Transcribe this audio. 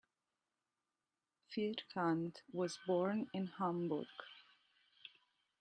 Vierkandt was born in Hamburg.